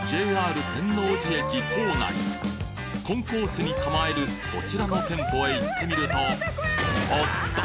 ＪＲ天王寺駅構内コンコースに構えるこちらの店舗へ行ってみるとおっと！